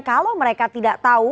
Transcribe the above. kalau mereka tidak tahu